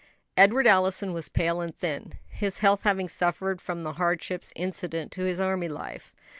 Edward Allison was pale and thin, his health having suffered from the hardships incident to his army life.